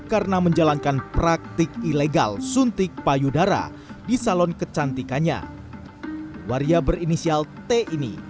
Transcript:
karena menjalankan praktik ilegal suntik payudara di salon kecantikannya waria berinisial t ini